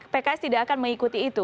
pks tidak akan mengikuti itu